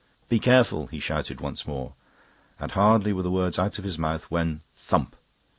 "Be careful," he shouted once more, and hardly were the words out of his mouth when, thump!